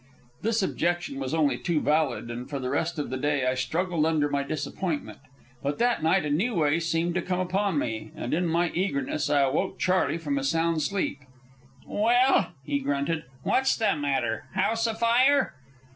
This objection was only too valid, and for the rest of the day I struggled under my disappointment. But that night a new way seemed to open to me, and in my eagerness I awoke Charley from a sound sleep. "Well," he grunted, "what's the matter? House afire?"